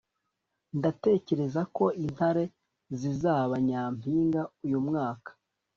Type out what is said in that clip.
Ndatekereza ko Intare zizaba nyampinga uyu mwaka